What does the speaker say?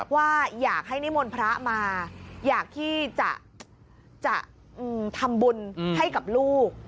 ว่าอยากให้นิมนต์พระมาอยากที่จะทำบุญให้กับลูก